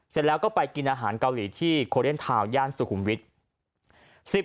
เสร็จแล้วก็ไปกินอาหารเกาหลีที่โคเลนทาวน์ย่านสุขุมวิทย์